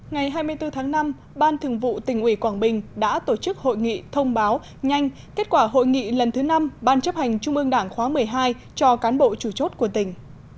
ngày hai mươi bốn tháng năm ban thường vụ tỉnh ủy quảng bình đã tổ chức hội nghị thông báo nhanh kết quả hội nghị lần thứ năm ban chấp hành trung ương đảng khóa một mươi hai cho cán bộ chủ chốt của tỉnh